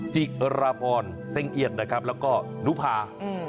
จิกร้าบอนเส้งเยียดนะครับแล้วก็นุพา